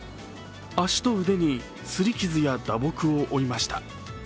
足と腕に擦り傷や打撲を負いました。